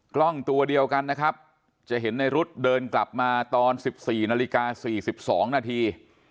กล้องตัวเดียวกันนะครับจะเห็นในรุ๊ดเดินกลับมาตอน๑๔นาฬิกา๔๒นาที